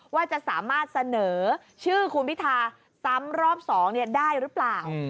ว่าจะสามารถเสนอชื่อคุณพิธาซ้ำรอบ๒ได้หรือเปล่า